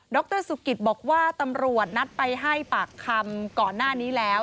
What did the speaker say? รสุกิตบอกว่าตำรวจนัดไปให้ปากคำก่อนหน้านี้แล้ว